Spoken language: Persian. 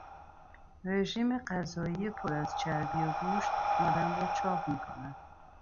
رژیم غذایی پر از چربی و گوشت آدم را چاق میکند.